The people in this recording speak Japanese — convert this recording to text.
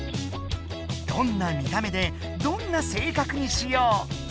どんな見た目でどんな性格にしよう？